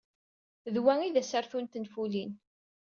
D wa ay d asartu n tenfulin.